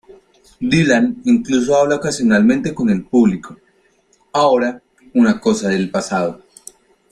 Dylan incluso habla ocasionalmente con el público, ahora una cosa del pasado.